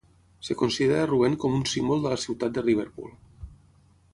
Es considera roent com un símbol de la ciutat de Liverpool.